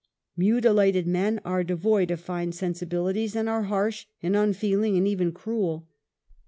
Mutilated men are devoid of fine sensibilities, and are harsh and unfeeling and even cruel.